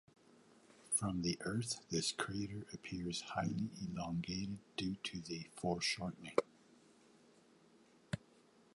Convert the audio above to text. From the Earth this crater appears highly elongated due to foreshortening.